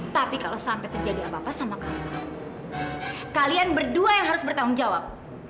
tapi kalau sampai terjadi apa apa sama kamu kalian berdua yang harus bertanggung jawab